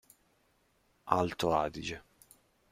Alto Adige.